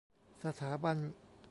สถาบัน